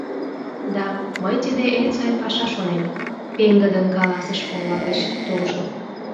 — Да, мый тиде эн сай паша шонем, — пеҥгыдын каласыш ола гыч толшо.